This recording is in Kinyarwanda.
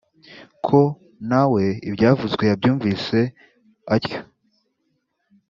ko nawe ibyavuzwe yabyumvise atyo